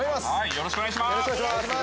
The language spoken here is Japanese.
よろしくお願いします